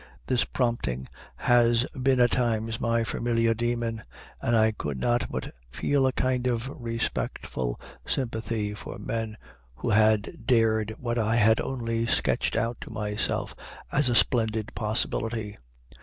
This prompting has been at times my familiar demon, and I could not but feel a kind of respectful sympathy for men who had dared what I had only sketched out to myself as a splendid possibility.